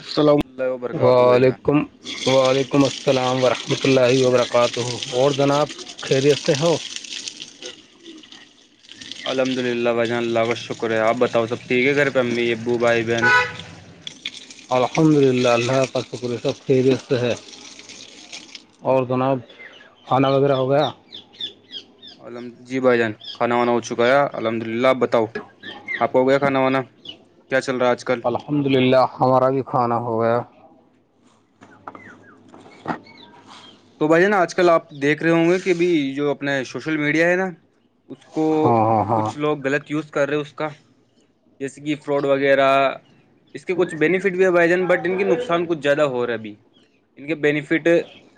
السلام اللہ وبرکاتہ ہو بھائی جان وعلیکم وعلیکم السلام ورحمۃ اللہ وبرکاتہ اور جناب خیریت سے ہو الحمد للہ بھ جان اللہ کا شکر ہے آپ بتاؤ سب ٹھیک ہے گھر پہ امی ابو بھائی بہن الحمد للہ اللہ کا کا شکر سب خیری سے ہے اور جو نا کھانا وغیرہ ہو گیا الم جی بھائی جان کھانا وانا ہو چکا الحمد للہ بتاؤ آپ کو ہو گیا کھانا وانا کیا چل رہا ہے آج کل الحمد للہ ہمارا بھی کھانا ہو گیا تو بھائی نا آج کل آپ دیکھ رہے ہوں گے کہب جو اپنے سوشل میڈیا ہے نا اس کو ہاں ہاں ہاں کچھ لوگ غلط یوز کر رہے اس کا جیسے کہ فراڈ وغیرہ اس کے کچھ بینیفٹ بھی بھائی جان بٹ ان کے نقصان کچھ زیادہ ہو رہا ہےبھی ان کے بینیفٹ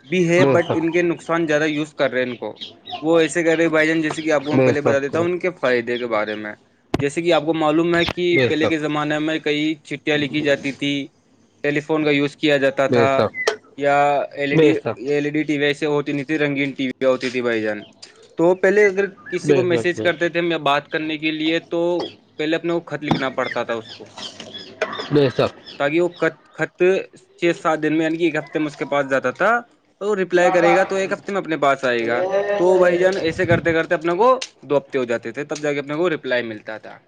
بھی ہے بے بٹ ان کے شک نقصان زیادہ یوز کر رہے ہیں ان کو وہ ایسے کر رہے بھائی جان جس کہ آپ کو میں بے پہلے بتا شک دیتا ہوں ان کے فائدے کے بارے میں جیسے کہ آپ کو معلوم ہے کہ کہ بے پہلے کے شک زمانے میں کئی چٹیاں لکھی جاتی تھیں ٹیلیفون کا یوز کر کیا جاتا بے تھا شک یا ایل ای بے ڈی شک L E D T V ایسے ہوتی نہیں تھی رنگین ٹی ویا ہوتی تھی بھائی جان تو پہلے اگر کسی بے کو شک میسج بے کرتے شک تھے ہم یا بات کرنے کے لیے تو پہلے اپنے کو خط لکھنا پڑتا تھا اس کو نہیں سب [inaudible] کہ وہ خ خط چھ سات دن میں یعنی کہ ایک ہفتے میں اس کے پاس جاتا تھا ریپلائی کرے گا تو ایک ہفتے میں اپنے پاس آئے گا تو بھائی جان ایسے کرتے کرتے اپنے کو دو ہفتے ہو جاتے تھے تب جا کے اپنے کو ریپلائی ملتا تھا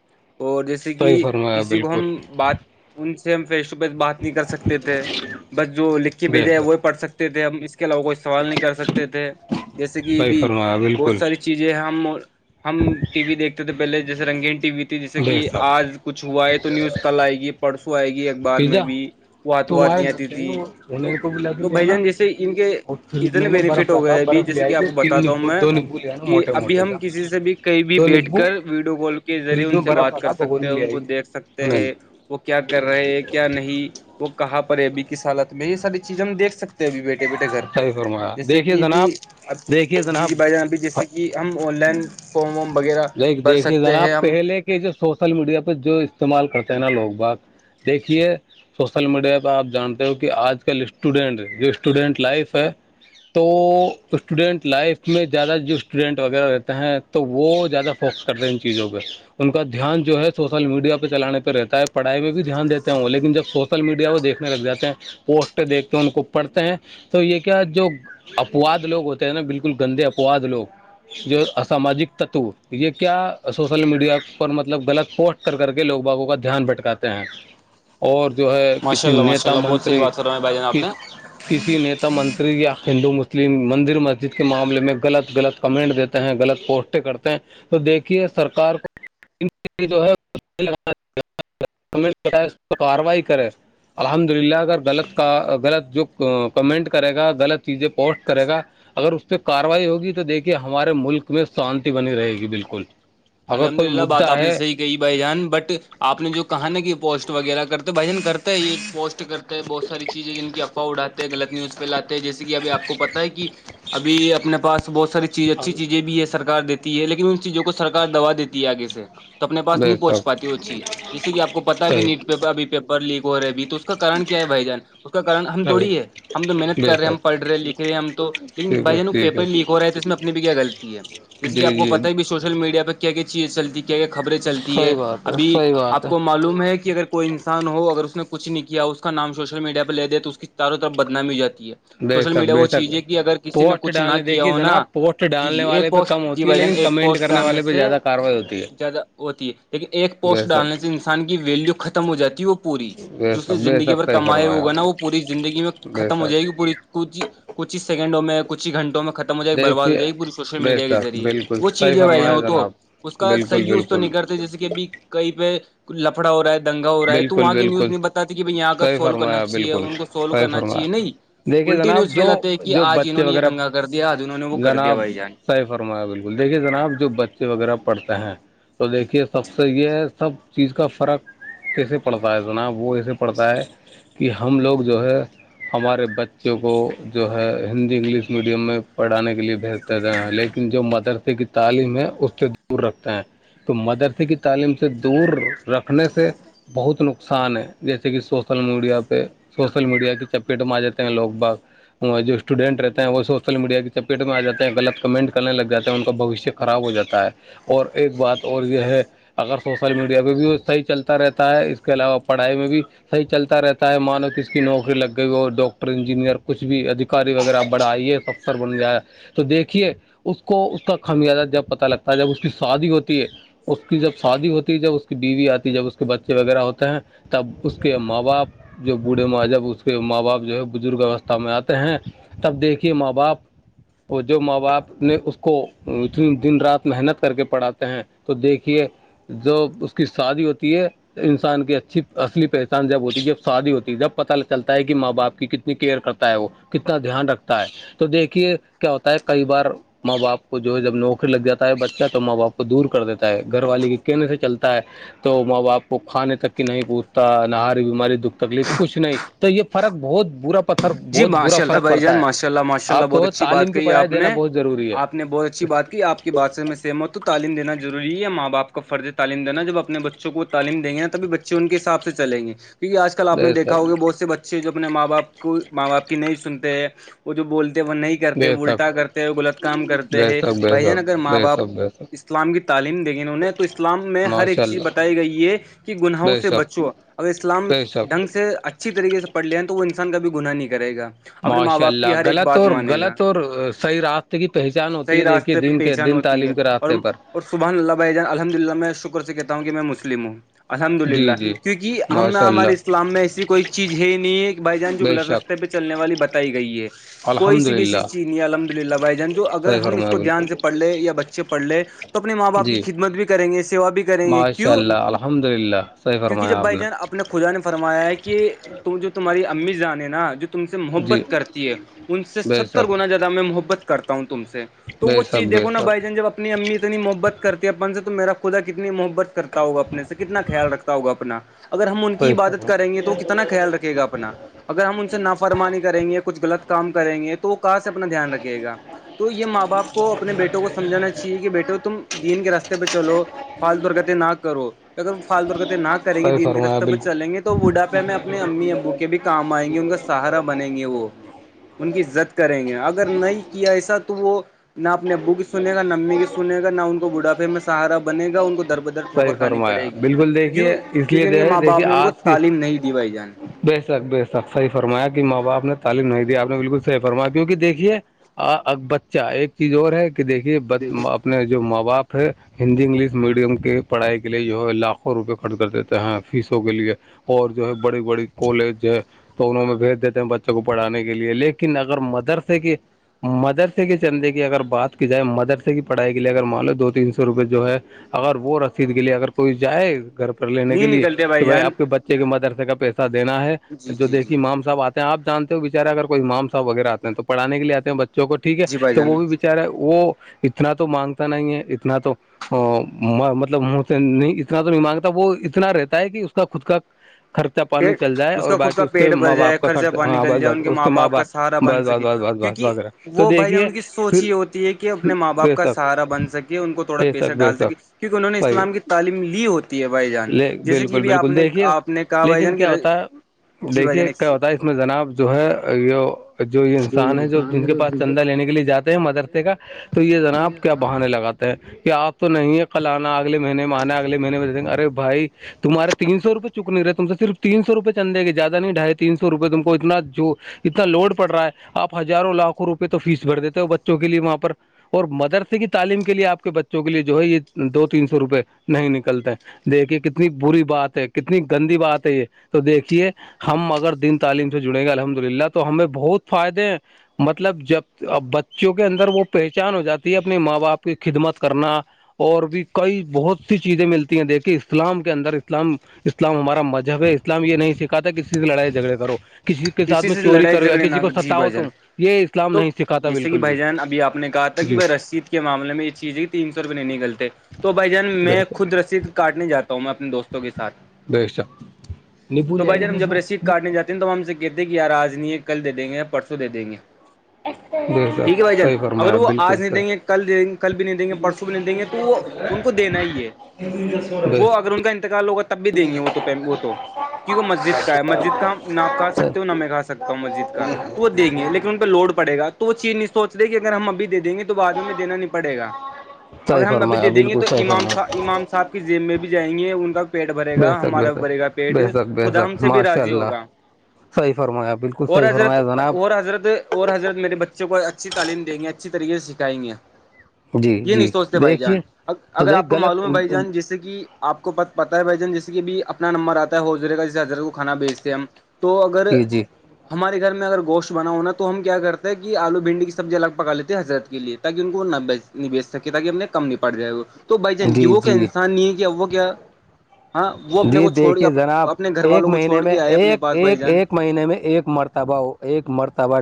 اور جیسے ج صحیح کہ فرمایا کسی کو ہم بالکل بات ان سے ہم فیس ٹو فیس بات نہیں کر سکتے تھے بس جو لکھ کے بے بھیجے شک وہ پڑھ سکتے تھے ہم علاوہ کوئی سوال نہیں کر سکتے تھے جیسے کہ صحیح بھی فرمایا بہت بالکل ساری چیز چیزیں ہم ہم ٹی وی دیکھتے تھے پہلے جیسے رنگین ٹی وی تھی جیسے بے کہ شک آج کچ ہوا ہے تو نیوز کل آئے گی پرسوں آئے گی بار میں پیزا بھی وہ آ تو آات ہمارے نہیں گھر آتی پہ تھی نا تو انہیں کو بھی لا کے تو لے بھائی آنا جان جیسے ان کے اور فریج اتنے میں نا برف بینفٹ ہو رکھا گئے اب برف لے جیسے آئے کہ آپ گی کو تین بتاتا ہوں نیبو میں دو نیبو لے آنا کہ موٹے ابھی موٹے ہم کا کسی سے بھی کہیں بھی دو بیٹھ نیبو کر ویڈیو کال کے ذریعے فریج ان میں سے برف بات رکھا کر سکتے بھگونی ہیں لے ان آئے کو گی دیکھ سکتے انہوں نے ہیں وہ کیا کر رہے ہے کیا نہیں وہ کہاں پر ہے ابھی کس حالت میں یہ ساری چیزیں ہم دیک سکتے ہیں ابھی بیٹے صیح فرمایا دیکھیے جناب اب دیکھیے جی جی جناب بھائی جان ابھی جیسے کہ ہم آن لائن فارم وم وغیرہ ل بھر دیکھیے سکتے ہیں جناب ہم پہلے کے جو سوشل میڈیا پہ جو استعمال کرتے ہیں نا لوگ باگ دیکھیے سوشل میڈیا پہ آپ جانتے ہو کہ آج کل اسٹوڈینٹ جو اسٹوڈینٹ لائف ہے تو اسٹوڈینٹ لائف میں زیادہ جو اسٹوڈینٹ وغیرہ رہتے ہیں تو وہ زیادہ فوکس کر رہے ہیں ان چیزوں پہ ان کا دھیان جو ہے سوشل میڈیا پہ چلان پہ رہتا ہے پڑھائی میں بھی دھیان دیتے ہ وہ لیکن جب سوشل ل میڈیا وہ دیکھنے لگ جاتے ہیں پوسٹیں دیکھتے ہیں ان کو پڑھتے ہیں تو یہ کیا جو اپواد لوگ ہوتے ہیں نا بالکل گندے اپواد لوگ جو اسساماجک تتو یہ کیا سوشل میڈیا پر مطلب غلط پوسٹ کر کے لوگ باابوں کا دھیان بھٹکاتے ہیں [inaudible] اور جو ہے ماشاء کسی اللہ ماشاء نیتا اللہ بہت صحیح منتری بات کر رہے ہیں بھائی جان آپ کس نے کسی ن منتری یا ہندو مسلم مندر مسجد کے معاملے میں غلط غط کمنٹ دیتے ہیں غلط پوسٹ کرتے ہیں تو دیکھیے سرکار کو جو ہےا گ کارروائی کرے [inaudible] الحمد للہ اگر غلط کا غلط جو کمنٹ کرے گا غلط چیزیں پوسٹ کرے گا اگر اس پہ کاروائی ہوگی تو دیکھیے ہمارے ملک میں شانتی بنی رہے گی بالکل اگر کوئی مدا ہے یہ بائی جان بٹ آپ نے جو کہا نا کہ پوسٹ وغیرہ کرتے بھ جان کرتا ہے یہ ایک پوسٹ کرتا بہت ساری چیزیں ہے جن کی افوا اڑاتے ہیں غلط نیوز پہ لے جیسے کہ اب آپ کو پتا ہے کہ ابھی اپنے پاس بہت ساری چیزیں اچھی چیزیں بھی ہے سرار دیتی ہے لیکن ان چیزوں کو سرک دبا دیتی ہے آگے سے اپنے پا بے نہیں پہنچ شک پاتی وہ چیز جیسے کہ آپ کو پتا ہے بھی صحیح نیوٹ پیپر اھی پیپر لیک ہو رہا اب تو کاارن کیا ہے بھائی جان اس کا کن ہم صحیح تھوڑی ہے ہم تو محنت بے کر رہے ہیں ہم شک پڑھے ہیں لکھ رہے ہیں ہم تو لن ٹھیک بھائی ہے جانک ٹھیک ہے پیپر لیک ہو رہا تو اس میں اپنے بھی کیا غلط ہے جیس کہ جی آپ کو جی پتا ہے بھی سوشل میڈیا پہ کیا کیا چیزیں چلتی کیا کیا خبریں چلتی ہے صحیح بات ابھی صحیح بات آپ ہے کو ہم معلوم ہے کہ اگر کوئی انسان ہو اگر اس نے کچھ نہیں کیا اس کا نام سوشل میڈیا پہ لے دے تو اس کی چاروں طرف بدنام ہو جاتی ہے بے سوشل شک میڈیا بے وہ شک چیز ہے کہ اگر کسی نے پوسٹ کچھ نہ ڈالنے کیا دیکھیے ہو نا جناب پوسٹ جی ڈالنے جی ایک والے پہ باکس کم جی ہوتی ہے بھ جان لیکن ایک کمنٹ پوسٹ کرنے ڈالنے والے پہ سے زیادہ کاروائی ہوتی ہے زیادہ ہوتی ہے لیکن ایک پوسٹ ویسا ڈالنے سے ان سے کی ویلو ختم ہو جاتی ہے وہ پوری بے جس نے شک بے زندگی شک پر صحیح کمایا فرمایا ہوگا آپ نا وہ نے پوری زندگی میں بے ختم ہو شک جائے گی پوری کچھ کچھ ہی سیکنڈوں میں کچھ ہی گھنٹوں میں ختم مجھے ایک برباد ہو دیکھیے جائےی پی سوشل بے میڈیا کے شک ریعے بالکل وہ صحیح چیزیں وائرل فرمایا ہوتی تو جناب اس کا بالکل سیوز تو نہیں بالکل کرتے جیسے کہب کئی پہ لفڑا ہو رہا ہے دنا ہو رہا ہے تو بالکل وہاں کی نیوز بالکل نہیں بتاتی کہ بھائی یہاں کا صحیح سالو کرنا فرمایا چاہیے بالکل ان کو سالو صحیح کرنا چاہیے فرمایا نہیں دیکھیے الٹی نہیںی جناب اس پہ جو لاتے کہ جو آج بچے انہوں نے یہ وغیرہ دنگا کر دیا آج انہوں نے وہ کر دیا بھائی جان صحی فرمایا بالکل دیکھیے جناب جو بچے وغیرہ پڑھتے ہیں تو دیکھیے سب سے یہ ہے سب چیز کا فرق کیسے پڑھتا ہے جناب وہ ایسے پڑھتا ہے کہ ہم لوگ جو ہے ہمارے بچوں کو جو ہے ہندی انگلش میڈیم میں پڑھانے کے لیے بہتر لیکن جو مدرسے کی تعلیم ہے اس سے دور رکھتا ہے تو مدرسے کی تعلیم سے دور رکھنے سے بہت نقصان ہے جیسے کہ سوسل میڈیا پہ سوشل میڈیا کی چپیٹ میںار جاتتے ہیں لوگ باگ وہ جو اسٹوڈینٹ رہتے ہیں وہ سوشل میڈیا کی چپیٹ میں آ جاتے ہیں غط کمنٹ کرنے لگ جاتے ہیں ان کا بوشیہ خراب ہو جاتا ہے اور ایک بات اور یہ ہے اگر سوشل میڈیا پہ بھی صحیح چلتا رہتا ہے اس کے علاوہ پڑھائی میں بھی صحیح چلتا رہتا ہے مانو کس کی نوکری لگ گئی اور ڈاکٹر انجینئر کچھ بھی ادھیکاری وغیرہ بڑھائی ہے سب سر بول جیاائے تو دیکھیے اس کو اس کا خمیازہ جب پتا لگتا ہے جب اس کی شادی ہوتی ہے اس کی جب شادی ہوتی جب اس کی بیوی آتی جب اس کے بچے وغیرہ ہوتے ہیں تب اس کے ماں باپ جو بوڑھے ماں جب اس کے ماں باپ جو ہے بزرگ اوستھا میں آتے ہیں تب دیکھیے ماں باپ وہ جو ماں باپ نے اس کو اتنی دن رات محنت کر کے پڑھاتے ہیں تو دیکھیے جو اس کی شادی ہوتی ہے انسان کی اچھی اصلی پہچان جب ہوتی جب شادی ہوتی جب پتاہ چلتا ہے کہ ماں باپ کی کتنی کیئر کرتا ہے وہ کتنا دھیان رکھتا ہے تو دیکھیے کیا ہوتا ہے کئی بار ماں باپ کو جو ہے جب نوکری لگ جاتا ہے بچہ تو ماں باپ کو دور کر دیتا ہے گھر والی کے کہنے سے چلتا ہے تو ماں باپ کھانے تک کہ نہیں پوچتا نہ ہاری بیماری دکھ تکلیف کچھ نہیں تو یہ فرق بہت برا پتھر جی بہت برا ماشاء اللہ فرق بھائی جان پڑتا ہے ماشاء اللہ ماشاء اللہ آپ بہت تو اچھی بات تعلیم کی کہی پڑھائی آپ دینا نے بہت ضروری ہے آپ نے بہت اچھی بات کی آپ کی بادشاہ میں سیم ہو تو تعلیم دیناضروری ہے ماں باپ کا فرض تو تعلیم دینا جب اپنے بچوں کو وہ تعم دیں گے نا تبھی بچے ان کے حساب سے چلیں گے کیونکہ آج کل آ بے نے دھا شک ہوگ بہت سے بچے جو اپنے ماں باپ کو ماں باپ کی نہیں سنتے ہیں وہ جو بولتے ہیں وہ نہیں کرتے بے شک الٹا کرتے ہو غلط کام کرتے بے ہیں شک بے بھائی جان اگر ماں شک باپ بے شک بے شک اس اسلام کی تعلیم دیک گ انہیں تو اسلام میں ہر ایک ماشاء چیز اللہ بتائی گئی یہ کہ گناہوں بے سے شک بچو اگر اسلام بے شک ڈھنگ سے اچھی طریقے سے پڑھ لے ہیں تو وہ انسان کابھی گناہ نہیں کرے گا اپنے ماں ماشاء باپ کی اللہ ہر ایک غلط بات اور مانے گا غلط اور صحیح راستتے کی پہچان ہوتی صحیح ہے دیکھی کے راستے پہ دن کے پہچان دن ہوتی ہے تعلیم کے اور راابطتے پر اور سبح اللہ بائی جان الحمد للہ میں شکر سے کہتا ہوں کہ میں مسلم ہوں الحمد للہ جی جی کیونکہ ہم ن ماشاء ہمارے اللہ اسلام میں ایسی کوئی چیز ہے ہی نہیں ہے کہ بھائی جان جو بے گلط ر شک پہ چلنے والی بتائی گئی ہے کوئی الحمد سی بھی ایسی للہ چیز نہیں الحمد للہ بھائی جان جو اگر صحیح ہم اس فرمایا کو دھیان سے بالکل پڑھ لے یا بچے پڑھے اپنے ماں باپ کی جی خدمت بھی کریں گے سیوا بھی کریں گے ماشاء کیوں اللہ الحمد للہ صحیح کیونکہ جب فرمایا آپ بھائی نے جان اپنے کو خدا نے فرمایا ہے کہ تم جو تمہاری امی جانے نا جو تم سے جی محبت کرتی ہے ان سے بے ستر شک گنا زیادہ میں محبت کرتا ہوں تم سے تو بے وہ چیز شک بے دیکو نا شک بھائی جان جب اپنی امی اتنی محبت کرتی ہے اپن سے تو میرا خدا کتنی محبت کرتا ہوگا اپنے سے کتنا خیال رکھتا ہوگا اپنا اگر ہم ان کی صحیح عبادت کریں فرمایا گے تو کتنا ن خیال رکھے گا اپنا اگر ہم ان نافرمانی کریں گے کچھ غلط کام کریں گے تو وہ کہاں سے اپنا دھیان رکھے گا تو یہ ماں باپ کو اپنے بیٹوں کو سمجھانا چاہیے کہ بیٹے تم دین کے راستے پہ چلو فالت برکتیں نہ کرو اگر وہ فال طور نہ کریں گے صحیح دین کے فرمایا راتےہ پر بالکل چلیں گے تو وہڈاپےہ میں اپنے امی ابو کے بھی کام آئیں گے ان کا سہارا بنیں گے وہ ان کی د کریں گے اگر نہیں کیا ایسا تو وہ نہ اپنے ابو کی سنے گا نہ امی کی سنے گا نہ ان کو بھاپے میں سہارا بنے گا ان کو درپد صحیح ٹھکر کھانی پڑے فرمایا گی بالکل کیوں دیکھیے اس لیے کیونکہ ان کے ماں باپ دیکھیے نے ان کو آج کی تعلیم نہیں دیوائی جان بے شک بے شک صحی فرایا کہ ماں باپ نے تعلیم نہیں دیا آپ نے بالکل صحیح فرمایا کیونکہ دیکھیے بچہ ایک چیز اور ہے کہ دیکھیے اپنے جو ماں باپ ہے ہندی انگلش میڈیم کے پڑھائی کے لیے جو ہے لاکھوں روپئے خرچ کر دیتے ہیں فیسوں کے لیے اور جو ہے بڑی بڑی کالج ہے تو انوں میں بھیج دیتے ہیں بچوں کو پڑھانے کے لیے لیکن اگر مدرسے کی مدرسے کے چندے کی اگر بات کی جائے مدرسے کی پڑھائی کے لیے اگر مان لو دو تین سو روپئے جو ہے اگر وہ رسید کے لیے اگر کوئی جائے گھر پر لینے کے نہیں لیے نکلتے کہ بھائی جان آپ کے بچے مدرسے کا پیسہ دینا ہے جی جو جی جی دیکھی مام صاب آتا آپ جانتے ہو بےچارے اگر کوئی مام صاحب وغیرہ آتے ہیں تو پڑانے کےے آتے ہیں بچوں کوٹھیک ہے جی بھائی تو وہ جان بھی بچار ارے وہ اتنا تو مانگتا نہیں ہے اتنا تو مطلب م سے نہیں اتنا تو نہیں مانگتا وہ اتنا رہتا ہے کہ اس کا خود کا خرچہ پانی پٹ چل جائے اس اور کا خود باقی کا کے پیٹ بھر ماں جائے باپ کا خرچہ پانی ہاں نکل بس جائے بس ان کے اس ماں باپ کا سہارا بن بس بس سکے بس بس بس کیونکہ وغیرہ تو وہ بھائی جان دیکھیے ان کی سوچ پھر ہی ہوتی ہے کہ اپنے ماں باپ بے کا شک سہارا بن سکے ان کو تھوڑا بے پیسہ شک بے ڈال سکے شک کیونکہ انہوں نے صحیح اسلام کی تعلیم لی ہوتی ہے بھائی جان لے جیسے کہ بالکل بھی آپ بالکل نے دیکھیے آپ نے کہا بھائی لیکن جان کہ کیا ہوتا ہے جی بھائی جان دیکھیے ایک کیا ہوتا ہے اس میں جناب جو ہے یہ جو یہ انسان ہے جو جن کے پاس چندا لینے کے لیے جاتے ہیں مدرسے کا تو یہ جناب کیا بہانے لگاتے ہیں کیا آپ تو نہیں ہے کل آنا اگل مہینے میں آنا اگلے مہینے میں دھیںے ارے بھائی تمہارے تین سوپ چک رہےم سے صرف تین سو روپئے چندے گےیادہ نہیں ڈھائی تین سو روپئے تم کو اتنا جو اتنا لوڈ پڑ رہا ہے آپ ہزاروں لاکھوں روپئے تو فیس بھر دیتے ہو بچوں کے لیے وہاں پر اور مدرسے کی تعلیم کے لیے آپ کے بچوں کے لیے جو ہے یہ دو تین سو روپئے نہیں نکلتے دیکھیے کتنی بری بات ہے کتنی گندی بات ہے یہ تو دیکھیے ہم اگر دن تعلیم سے جڑیں گے الحمد للہ تو ہمیں بہت فائدے ہیں مطلب جب بچوں کے اندر وہ پہچان ہو جاتی ہے اپنے ماں باپ کی خدمت کرنا اور بھی کئی بہت س چیزیں ملتی ہیں دیکھ کہ اسلام کے اندر اسلام اسلام ہمارا مذہب ہے اسلام یہ نہیں سکھاتا کسی سے لڑائی جھگڑے کرو کسی کے ساتھ میں سے چوری لڑائی کروں یا جھگڑے نہ کسی کو جی بھائی ستاوت جان ہوں یہ اسلام تو نہیں سکھاتا جیسے کہ بالکل بھی بھائی جان ابھی آپ نے کہا کہ جی بھائی رسید کے معامل میں یہ چیز ہے تین سو روپئے نہیں نکلتے تو بھائی جان میں بہتر خود رشسید کاٹنے جاتا ہوں میں اپنے دوستوں کے ساتھ بے شک نیبو تو لے بھائی آئیے جانب جب نیبو رسید نیبو کاٹنے جاتے [unintelligible] تو ہم سے کہتے ہیں کہ یار آج نہیں ہے کل دے دیں گے یا پرسوں دے دیں گے جی ٹھیک ہے صاحب بھائی جان صحیح اگر فرمایا وہ بالکل آج نہیں دیں گے صحیح کل دیںے کل بھی نہیں دیں گے پرسوں نہیں دیں گے تو وہ ان کو دینا ہی ہے [inaudible] کہا لوگا تب بھی دیں گے وہ تو وہ تو کی وہ مسجد کا ہے مسجد کا ہم ناپ کہا سکتے نہ شک میں کہا سکتا ہوں مسجد کا تو وہ دیں گے لیکن پہ لوڑ پے گا تو وہ چین سچ رہے کہ اگر ہم اب دے دیںے تو [unintelligible] بعد میں دینا نہیں پڑے گا اگر صحیح ہم ابھی فرمایا دے دیں گے بالکل تو صحیح اماماہ فرمایا امام سا [unintelligible] صاحب کی جیم میں بھی جائیں گے ان کا پیٹ بھرے بے گا شک بے ہمارا شک بھرے گا پیٹ بے شک خدا ہم سے بھی راضی ہوگا صح فرمایابل [unintelligible] اور حضرت اور حضرت اور حضرت میرے بچوں کو اچھی تعلیم دیں گے اچھی طریقے سے سکھائیں گے جی یہ نہیں جی سوچتے بھائی جان دیکھیے تو اگر آپ دیکھ کو معلوم غلط ہے بھائی جان جس سے جیسے کہ آپ کو پ پت ہے بائی جن جیسے کہ بھی اپنا نمبر آتا ہے ہوزر کا جیے حضر کو کھانا بیچتے ہیں ہم [unintelligible] تو اگر جی جی ہمارے گھر میں اگر گشت بنا ہوناا تو ہم کیا کرتے ہیں کہ آلو بھنڈی کی سبزی الگ پکا لیتے ہیں حضرت کے لیے تاکہ ان کو نہ بی نہیں بیچ سکے تاکہ ان نے کم نہیں پڑ جائے وہ تو بھائی جان یہ جی وہ کیا جی انسان نہیں ہے کیا وہ کیا ہاں وہ اپنے جی کو چھوڑ کے دیکھیے جناب اپنے گھر ایک والوں کو مہینے چھوڑ میں کے آئے اپنے ایک [unintelligible] پاس بھائی ایک جان ایک مہینے میں ایک مرتبہ ہو ایک مرتبہ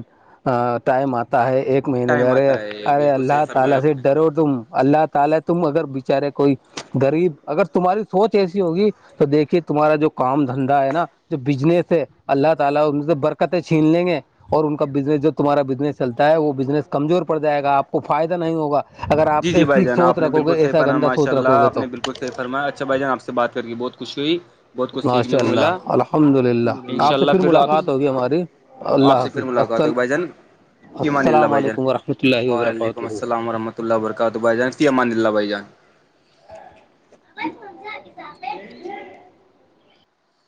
ٹائم آتا ہے ایک مہینے ٹائم برے آتا ہے ارے بالکل صحیح اللہ فرمایا تعالی آپ سے نے ڈرو تم [unintelligible] اللہ تعالی تم اگر بچارے کوئی غریب اگر تمہاری سوچ ایسی ہو تو دیکھیے تمہارا جو کام دھندا ہے نا جو بجنس ہے اللہ تعالی ان سے برکتیں چھین لیں گے اور ان کا بزنس جو تمہارا بزنس چلتا ہے وہ بزنس کمزور پڑ جائے گا آ کو فائدہ نہیں ہوا اگر جی آپ جی بھائی ایسی جان سوچ آپ نے رکھو گے بالکل صحیح ایسا فرمایا گندا ماشاء سوچ اللہ رکھو گے آپ تو نے بالکل فرمایا اچھا بھائی جان آ سے بات کر کے بہت خوشی ہوئی بہت کچھ سیکھنے ماشاء کو ملا اللہ الحمد للہ ان شاء آپ سے اللہ پھر آپ ملاقات ہوگی ہماری [unintelligible] اللہ آپ سے پھر حافظ ملاقات السل ہوگی بھ جان [unintelligible] فمان اللہ السلام بھ جان علیکم ورحمۃ اللہ وعلیکم وبرکاتہ السلام ورحمۃ [unintelligible] تو اللہ برکات بائی جان ماندلہ بائی جان [unintelligible] س [inaudible]